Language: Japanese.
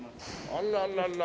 あららら。